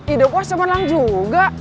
ide bos cuman lang juga